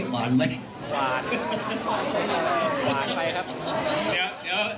หวานไปครับ